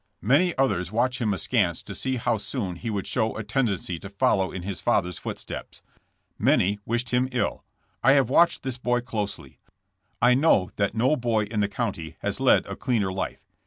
" 'Many others watched him askance to see how soon he would show a tendency to follow in his 132 JESSB JAMES. father's footsteps. Many wished him ill. I have watched this boy closely. I know that no boy in the county has led a cleaner life.